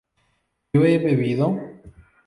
¿yo he bebido?